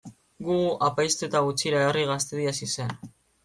Gu apaiztu eta gutxira Herri Gaztedi hasi zen.